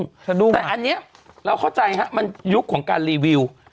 แต่อันนี้เราเข้าใจฮะมันยุคของการรีวิว